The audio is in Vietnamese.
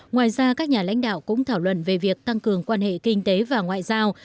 ngoài ra các nhà lãnh đạo cũng thảo luận về việc tăng cường quan hệ kinh tế và ngoại giao